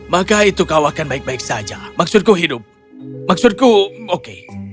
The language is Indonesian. maka itu kau akan baik baik saja maksudku hidup maksudku oke